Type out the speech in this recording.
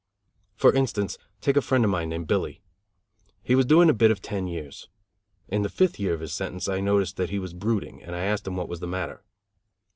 For instance, take a friend of mine named Billy. He was doing a bit of ten years. In the fifth year of his sentence I noticed that he was brooding, and I asked him what was the matter.